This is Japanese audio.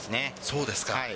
そうですか。